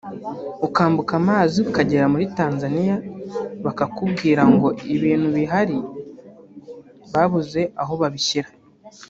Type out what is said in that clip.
ukambuka amazi ukagera muri Tanzania bakakubwira ngo ibintu bihari babuze aho babishyira